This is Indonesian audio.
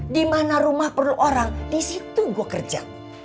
dimana rumah perlu orang disitu gue kerja